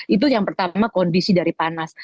itu yang pertama kondisi dari panas